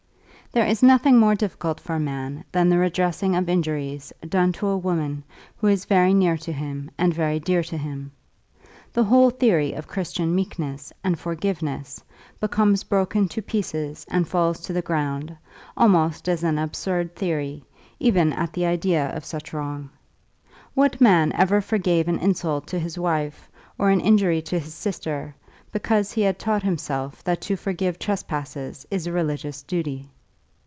There is nothing more difficult for a man than the redressing of injuries done to a woman who is very near to him and very dear to him. The whole theory of Christian meekness and forgiveness becomes broken to pieces and falls to the ground, almost as an absurd theory, even at the idea of such wrong. What man ever forgave an insult to his wife or an injury to his sister, because he had taught himself that to forgive trespasses is a religious duty?